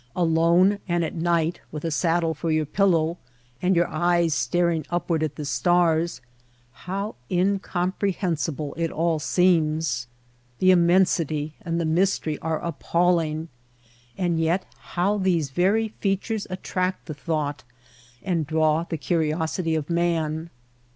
alone and at night, with a saddle for your pil low, and your eyes staring upward at the stars, how incomprehensible it all seems ! The im mensity and the mystery are appalling; and yet how these very features attract the thought and draw the curiosity of man.